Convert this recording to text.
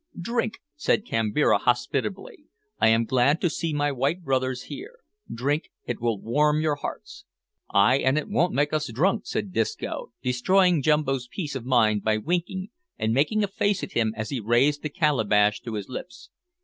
"Drink," said Kambira hospitably; "I am glad to see my white brothers here; drink, it will warm your hearts." "Ay, an' it won't make us drunk," said Disco, destroying Jumbo's peace of mind by winking and making a face at him as he raised the calabash to his lips.